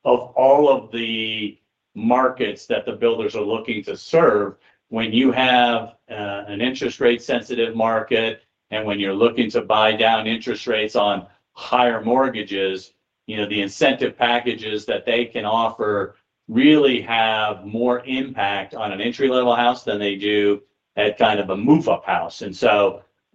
Of all of the markets that the builders are looking to serve, when you have an interest-rate-sensitive market and when you're looking to buy down interest rates on higher mortgages, the incentive packages that they can offer really have more impact on an entry-level house than they do at kind of a move-up house.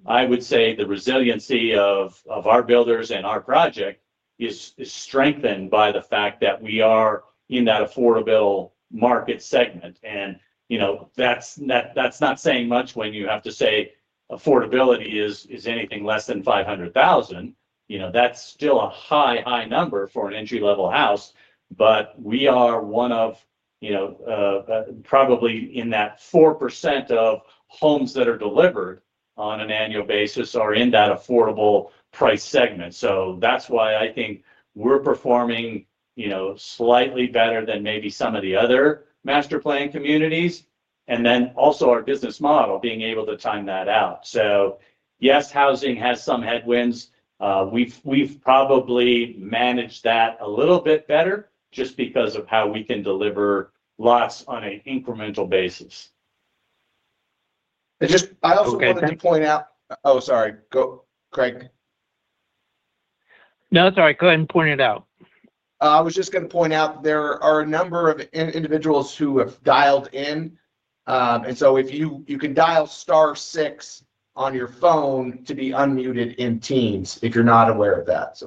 I would say the resiliency of our builders and our project is strengthened by the fact that we are in that affordable market segment. That is not saying much when you have to say affordability is anything less than $500,000. That is still a high, high number for an entry-level house. We are one of probably in that 4% of homes that are delivered on an annual basis that are in that affordable price segment. That is why I think we are performing slightly better than maybe some of the other master plan communities. Also, our business model being able to time that out. Yes, housing has some headwinds. We have probably managed that a little bit better just because of how we can deliver lots on an incremental basis. I also wanted to point out—oh, sorry. Craig. No, sorry. Go ahead and point it out. I was just going to point out there are a number of individuals who have dialed in. If you can dial star six on your phone to be unmuted in Teams if you're not aware of that.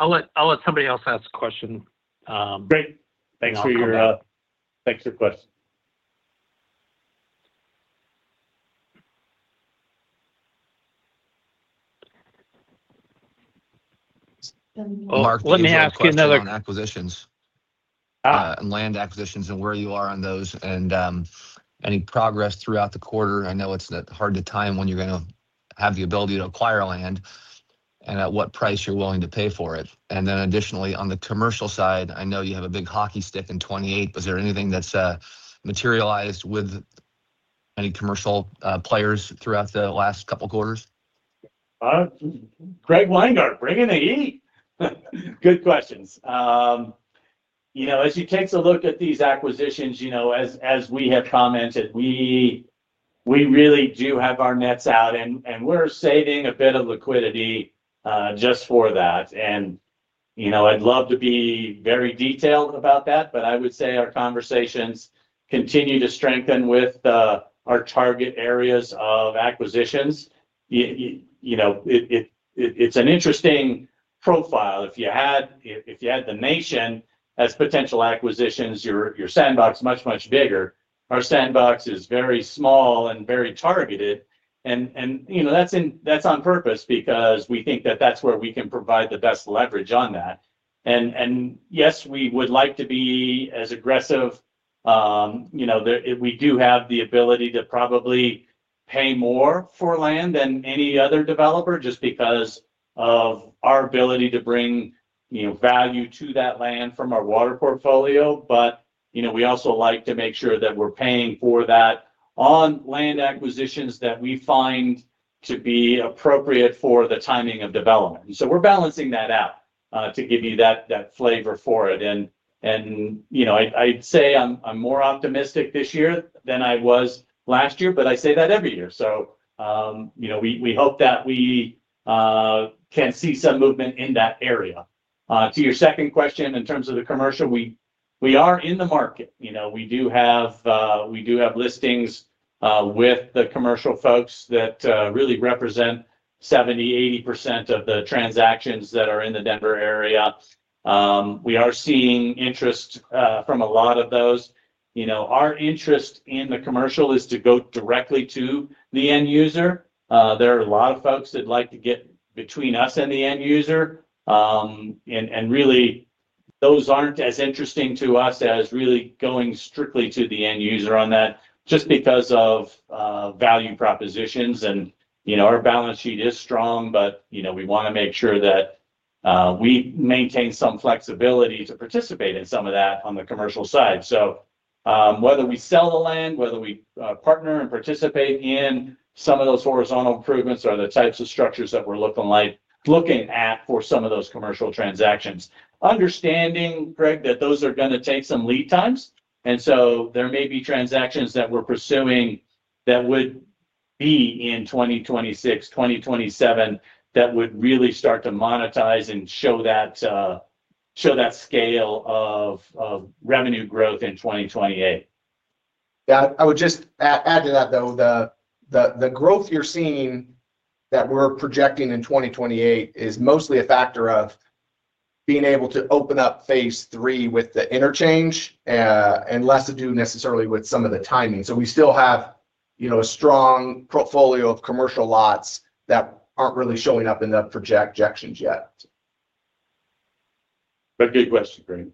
I'll let somebody else ask the question. Great. Thanks for your thanks for the question. Mark, let me ask you another. And land acquisitions and where you are on those and any progress throughout the quarter. I know it's hard to time when you're going to have the ability to acquire land and at what price you're willing to pay for it. Additionally, on the commercial side, I know you have a big hockey stick in 2028. Was there anything that's materialized with any commercial players throughout the last couple of quarters? Craig Weingart, bring in the E. Good questions. As you take a look at these acquisitions, as we have commented, we really do have our nets out, and we're saving a bit of liquidity just for that. I would love to be very detailed about that, but I would say our conversations continue to strengthen with our target areas of acquisitions. It's an interesting profile. If you had the nation as potential acquisitions, your sandbox is much, much bigger. Our sandbox is very small and very targeted. That is on purpose because we think that is where we can provide the best leverage on that. Yes, we would like to be as aggressive. We do have the ability to probably pay more for land than any other developer just because of our ability to bring value to that land from our water portfolio. We also like to make sure that we're paying for that on land acquisitions that we find to be appropriate for the timing of development. We're balancing that out to give you that flavor for it. I'd say I'm more optimistic this year than I was last year, but I say that every year. We hope that we can see some movement in that area. To your second question, in terms of the commercial, we are in the market. We do have listings with the commercial folks that really represent 70-80% of the transactions that are in the Denver area. We are seeing interest from a lot of those. Our interest in the commercial is to go directly to the end user. There are a lot of folks that like to get between us and the end user. Those aren't as interesting to us as really going strictly to the end user on that just because of value propositions. Our balance sheet is strong, but we want to make sure that we maintain some flexibility to participate in some of that on the commercial side. Whether we sell the land, whether we partner and participate in some of those horizontal improvements or the types of structures that we're looking at for some of those commercial transactions, understanding, Craig, that those are going to take some lead times. There may be transactions that we're pursuing that would be in 2026, 2027, that would really start to monetize and show that scale of revenue growth in 2028. Yeah. I would just add to that, though, the growth you're seeing that we're projecting in 2028 is mostly a factor of being able to open up phase III with the interchange and less to do necessarily with some of the timing. We still have a strong portfolio of commercial lots that aren't really showing up in the projections yet. That's a good question, Craig.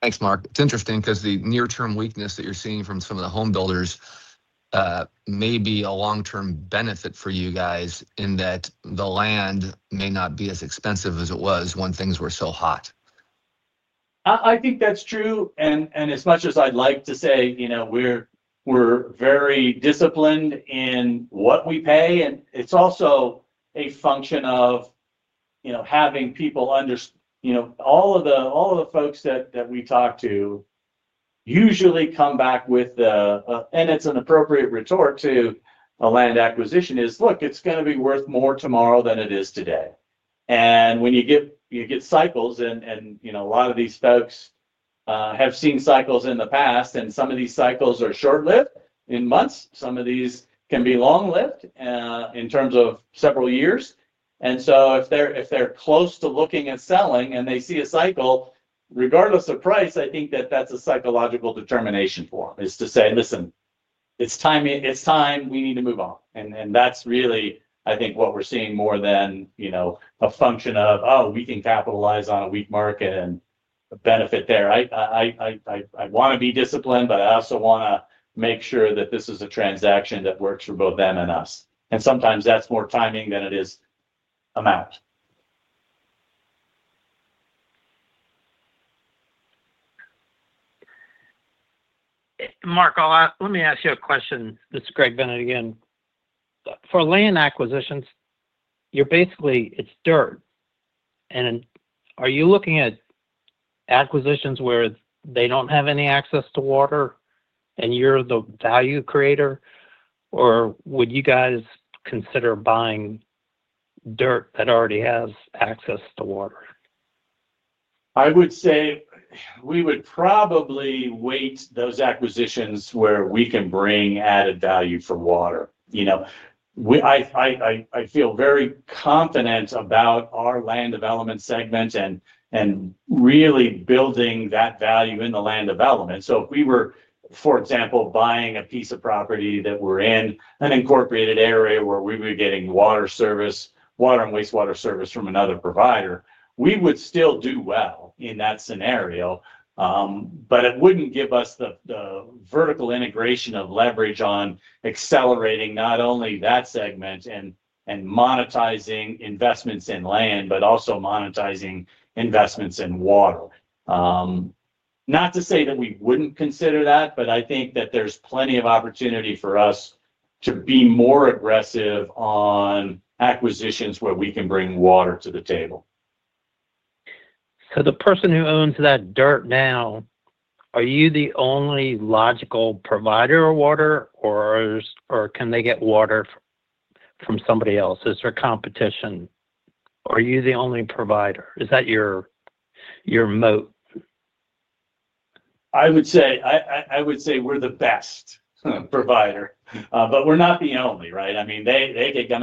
Thanks, Marc. It's interesting because the near-term weakness that you're seeing from some of the home builders may be a long-term benefit for you guys in that the land may not be as expensive as it was when things were so hot. I think that's true. And as much as I'd like to say we're very disciplined in what we pay. It is also a function of having people understand all of the folks that we talk to usually come back with the—and it is an appropriate retort to a land acquisition—"Look, it is going to be worth more tomorrow than it is today." When you get cycles, and a lot of these folks have seen cycles in the past, some of these cycles are short-lived in months. Some of these can be long-lived in terms of several years. If they are close to looking at selling and they see a cycle, regardless of price, I think that is a psychological determination for them to say, "Listen, it is time. We need to move on. That is really, I think, what we are seeing more than a function of, "Oh, we can capitalize on a weak market and benefit there." I want to be disciplined, but I also want to make sure that this is a transaction that works for both them and us. Sometimes that is more timing than it is amount. Mark, let me ask you a question. This is Craig Vennett again. For land acquisitions, it is dirt. Are you looking at acquisitions where they do not have any access to water and you are the value creator? Or would you guys consider buying dirt that already has access to water? I would say we would probably weight those acquisitions where we can bring added value for water. I feel very confident about our land development segment and really building that value in the land development. If we were, for example, buying a piece of property that we're in an incorporated area where we were getting water service, water and wastewater service from another provider, we would still do well in that scenario. It wouldn't give us the vertical integration of leverage on accelerating not only that segment and monetizing investments in land, but also monetizing investments in water. Not to say that we wouldn't consider that, I think that there's plenty of opportunity for us to be more aggressive on acquisitions where we can bring water to the table. The person who owns that dirt now, are you the only logical provider of water, or can they get water from somebody else? Is there competition? Are you the only provider? Is that your moat? I would say we're the best provider, but we're not the only, right? I mean, they can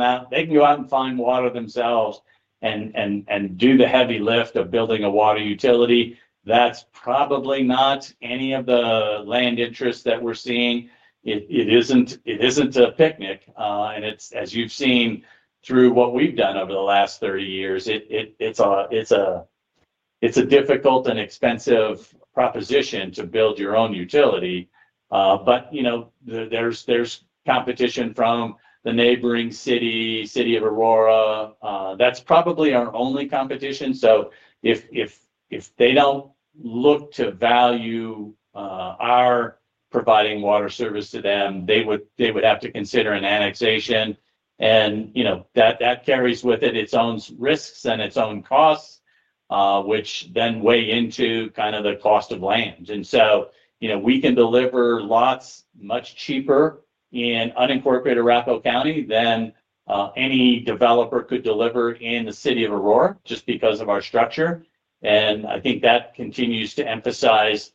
go out and find water themselves and do the heavy lift of building a water utility. That's probably not any of the land interests that we're seeing. It isn't a picnic. As you've seen through what we've done over the last 30 years, it's a difficult and expensive proposition to build your own utility. There is competition from the neighboring city, City of Aurora. That's probably our only competition. If they don't look to value our providing water service to them, they would have to consider an annexation. That carries with it its own risks and its own costs, which then weigh into kind of the cost of land. We can deliver lots much cheaper in unincorporated Arapahoe County than any developer could deliver in the City of Aurora just because of our structure. I think that continues to emphasize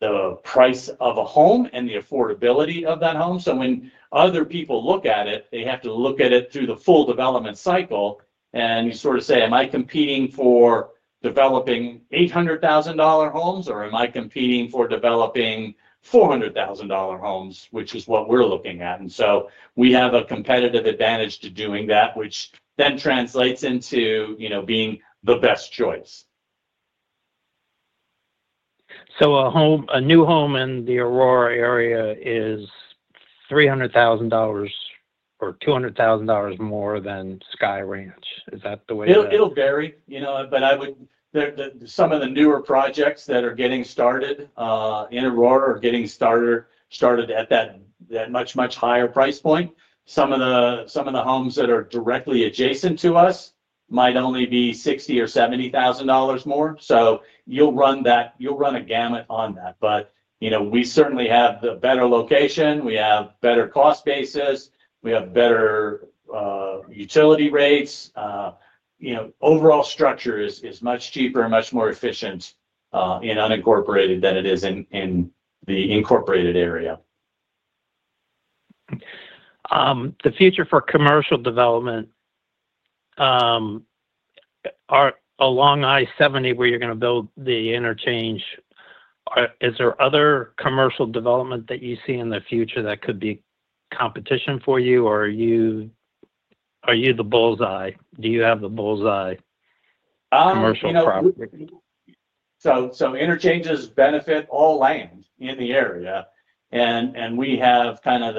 the price of a home and the affordability of that home. When other people look at it, they have to look at it through the full development cycle. You sort of say, "Am I competing for developing $800,000 homes, or am I competing for developing $400,000 homes, which is what we're looking at?" We have a competitive advantage to doing that, which then translates into being the best choice. A new home in the Aurora area is $300,000 or $200,000 more than Sky Ranch. Is that the way? It'll vary. Some of the newer projects that are getting started in Aurora are getting started at that much, much higher price point. Some of the homes that are directly adjacent to us might only be $60,000 or $70,000 more. You'll run a gamut on that. We certainly have the better location. We have better cost basis. We have better utility rates. Overall structure is much cheaper and much more efficient in unincorporated than it is in the incorporated area. The future for commercial development along I-70 where you're going to build the interchange, is there other commercial development that you see in the future that could be competition for you, or are you the bull's eye? Do you have the bull's eye commercial property? Interchanges benefit all land in the area. We have kind of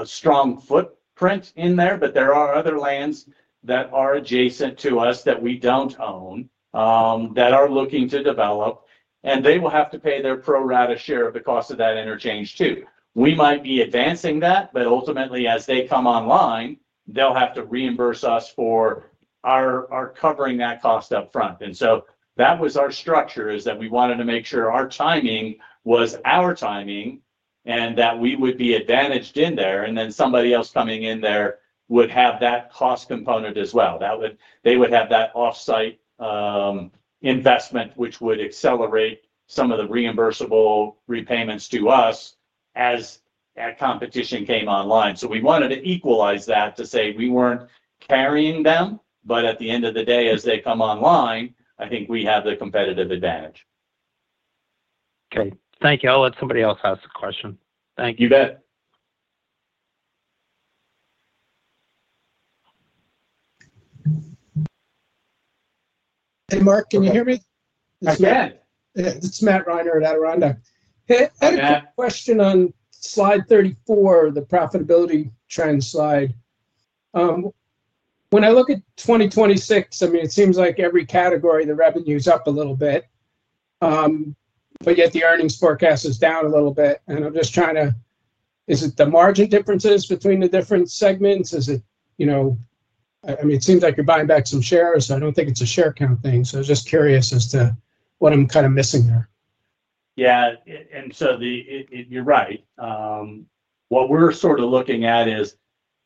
a strong footprint in there. There are other lands that are adjacent to us that we don't own that are looking to develop. They will have to pay their pro rata share of the cost of that interchange too. We might be advancing that, but ultimately, as they come online, they'll have to reimburse us for covering that cost upfront. That was our structure, that we wanted to make sure our timing was our timing and that we would be advantaged in there. Somebody else coming in there would have that cost component as well. They would have that off-site investment, which would accelerate some of the reimbursable repayments to us as that competition came online. We wanted to equalize that to say we weren't carrying them. At the end of the day, as they come online, I think we have the competitive advantage. Okay. Thank you. I'll let somebody else ask the question. Thank you. You bet. Hey, Mark, can you hear me? Yes, you can. It's Matt Reiner at Adirondack. I had a question on slide 34, the profitability trend slide. When I look at 2026, I mean, it seems like every category, the revenue is up a little bit. Yet the earnings forecast is down a little bit. I'm just trying to— is it the margin differences between the different segments? I mean, it seems like you're buying back some shares. I don't think it's a share count thing. I'm just curious as to what I'm kind of missing there. Yeah. You're right. What we're sort of looking at is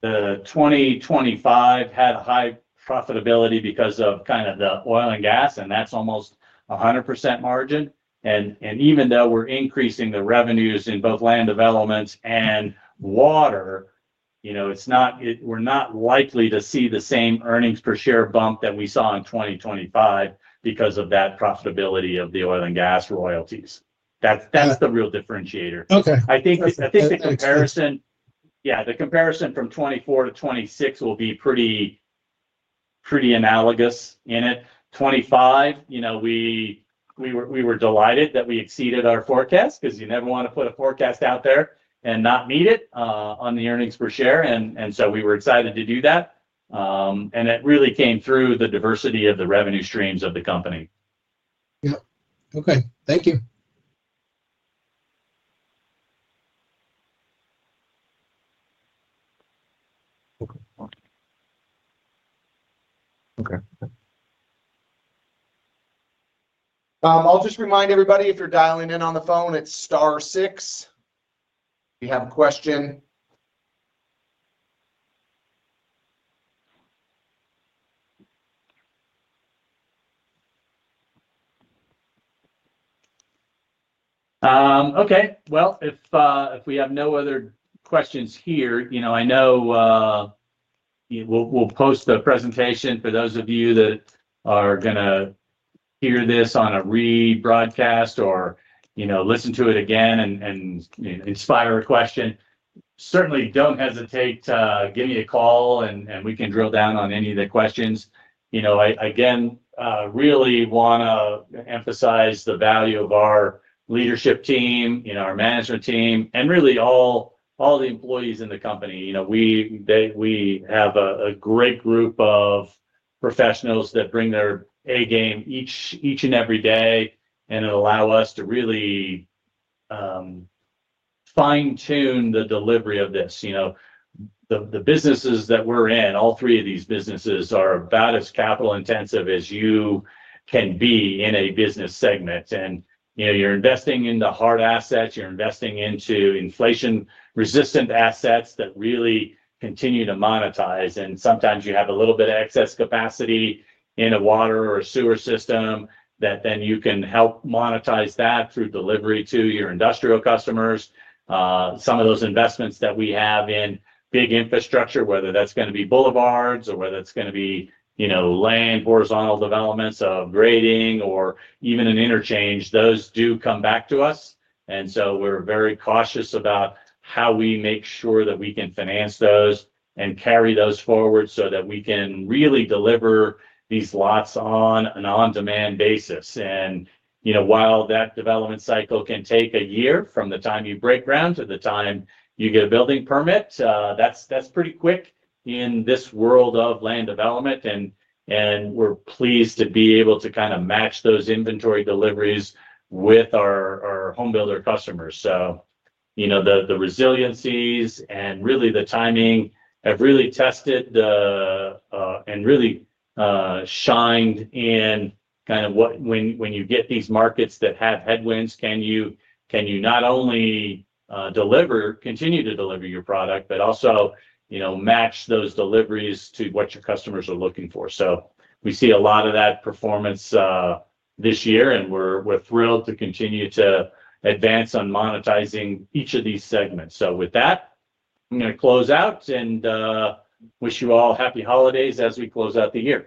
the 2025 had a high profitability because of kind of the oil and gas, and that's almost 100% margin. Even though we're increasing the revenues in both land developments and water, we're not likely to see the same earnings per share bump that we saw in 2025 because of that profitability of the oil and gas royalties. That's the real differentiator. I think the comparison—yeah, the comparison from 2024 to 2026 will be pretty analogous in it. In 2025, we were delighted that we exceeded our forecast because you never want to put a forecast out there and not meet it on the earnings per share. We were excited to do that. It really came through the diversity of the revenue streams of the company. Yep. Okay. Thank you. Okay. I'll just remind everybody, if you're dialing in on the phone, it's star six if you have a question. Okay. If we have no other questions here, I know we'll post the presentation for those of you that are going to hear this on a rebroadcast or listen to it again and inspire a question. Certainly, don't hesitate to give me a call, and we can drill down on any of the questions. Again, really want to emphasize the value of our leadership team, our management team, and really all the employees in the company. We have a great group of professionals that bring their A game each and every day, and it allows us to really fine-tune the delivery of this. The businesses that we're in, all three of these businesses are about as capital-intensive as you can be in a business segment. You're investing in the hard assets. You're investing into inflation-resistant assets that really continue to monetize. Sometimes you have a little bit of excess capacity in a water or sewer system that then you can help monetize that through delivery to your industrial customers. Some of those investments that we have in big infrastructure, whether that's going to be boulevards or whether it's going to be land horizontal developments of grading or even an interchange, those do come back to us. We are very cautious about how we make sure that we can finance those and carry those forward so that we can really deliver these lots on an on-demand basis. While that development cycle can take a year from the time you break ground to the time you get a building permit, that's pretty quick in this world of land development. We are pleased to be able to kind of match those inventory deliveries with our homebuilder customers. The resiliencies and really the timing have really tested and really shined in kind of when you get these markets that have headwinds, can you not only continue to deliver your product, but also match those deliveries to what your customers are looking for? We see a lot of that performance this year, and we're thrilled to continue to advance on monetizing each of these segments. With that, I'm going to close out and wish you all happy holidays as we close out the year.